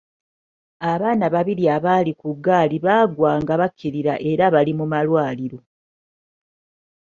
Abaana babiri abaali ku ggaali baagwa nga bakkirira era bali mu malwaliro.